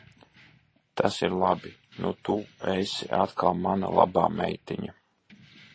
Tas ir labi. Nu tu esi atkal mana labā meitiņa.